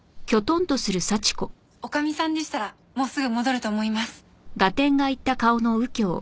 女将さんでしたらもうすぐ戻ると思います。